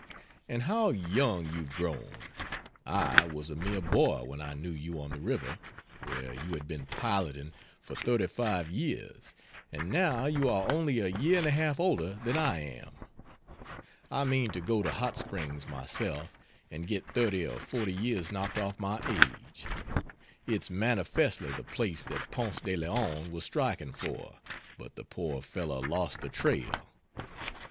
And how young you've grown! I was a mere boy when I knew you on the river, where you had been piloting for 35 years, and now you are only a year and a half older than I am! I mean to go to Hot Springs myself and get 30 or 40 years knocked off my age. It's manifestly the place that Ponce de Leon was striking for, but the poor fellow lost the trail.